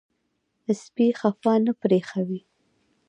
سپي خفه نه پرېښوئ.